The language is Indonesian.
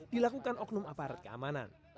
dilakukan oknum aparat keamanan